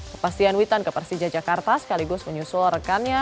kepastian witan ke persija jakarta sekaligus menyusul rekannya